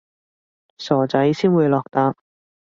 傻仔先會落疊